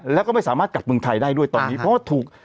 แล้วก็ไม่สามารถกลับเมืองไทยได้ด้วยตอนนี้เพราะว่าถูก